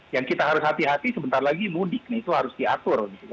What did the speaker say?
yang kita harus hati hati sebentar lagi mudik nih itu harus diatur